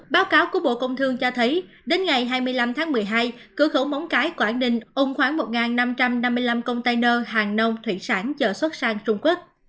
báo cáo của bộ công thương cho thấy đến ngày hai mươi năm tháng một mươi hai cửa khẩu móng cái quảng ninh ung khoảng một năm trăm năm mươi năm container hàng nông thủy sản chở xuất sang trung quốc